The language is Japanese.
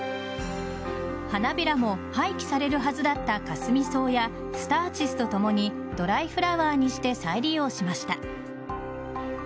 花びらも廃棄されるはずだったカスミソウやスターチスとともにドライフラワーにして再利用しました。